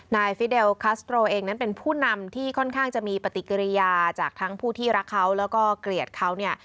ฟิเดลคัสโตรเองนั้นเป็นผู้นำที่ค่อนข้างจะมีปฏิกิริยาจากทั้งผู้ที่รักเขาแล้วก็เกลียดเขาเนี่ย